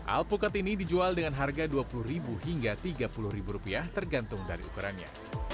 alpukat ini dijual dengan harga rp dua puluh hingga rp tiga puluh tergantung dari ukurannya